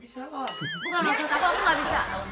bukan lo yang takut aku nggak bisa